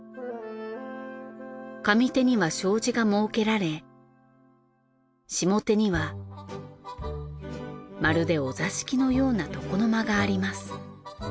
上手には障子が設けられ下手にはまるでお座敷のような床の間があります。